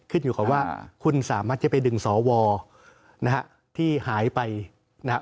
อยู่กับว่าคุณสามารถจะไปดึงสวนะฮะที่หายไปนะครับ